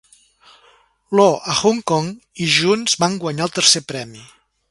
Loo a Hong Kong, i junts van guanyar el tercer premi.